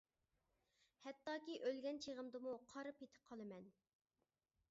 ھەتتاكى ئۆلگەن چېغىمدىمۇ قارا پېتى قالىمەن.